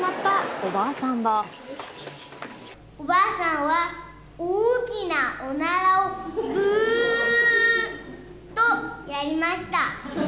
おばあさんは大きなおならを、ぶー！っとやりました。